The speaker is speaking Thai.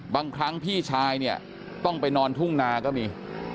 บางครั้งพี่ชายเนี่ยต้องไปนอนทุ่งนาก็มี